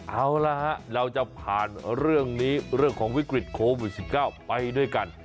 เอาละฮะเราจะผ่านเรื่องนี้เรื่องของวิกฤตโควิด๑๙ไปด้วยกัน